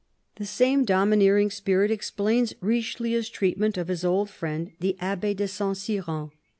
The same dominating spirit explains Richeheu's treat ment of his old friend the Abbe de Saint Cyran.